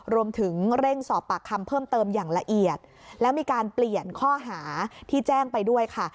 รวมถึงเร่งสอบปากคำเพิ่มเติมอย่างละเอียดแล้วมีการเปลี่ยนข้อหาที่แจ้งไปด้วยค่ะ